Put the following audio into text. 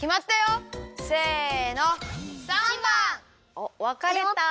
おっわかれた。